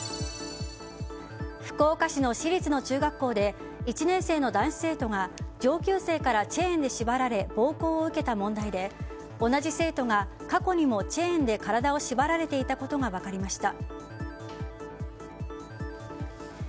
福岡市の私立の中学校で１年生の男子生徒が上級生からチェーンで縛られ暴行を受けた問題で同じ生徒が過去にもチェーンで体を縛られていたことが分かりました。